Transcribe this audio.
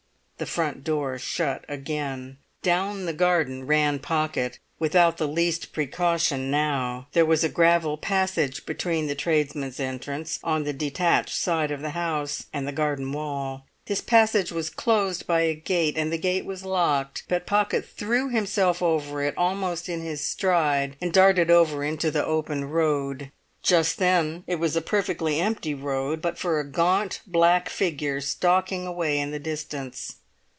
The front door shut again. Down the garden ran Pocket without the least precaution now. There was a gravel passage between the tradesmen's entrance, on the detached side of the house, and the garden wall. This passage was closed by a gate, and the gate was locked, but Pocket threw himself over it almost in his stride and darted over into the open road. Just then it was a perfectly empty road, but for a gaunt black figure stalking away in the distance.